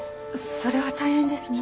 それは大変ですね。